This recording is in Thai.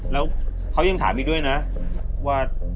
แล้วเขายังถามอีกด้วยนะว่า